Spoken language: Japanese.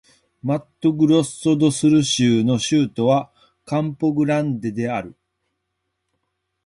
マットグロッソ・ド・スル州の州都はカンポ・グランデである